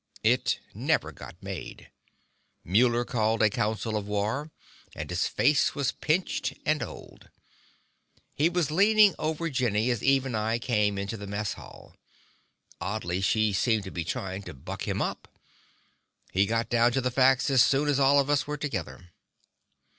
It never got made. Muller called a council of war, and his face was pinched and old. He was leaning on Jenny as Eve and I came into the mess hall; oddly, she seemed to be trying to buck him up. He got down to the facts as soon as all of us were together.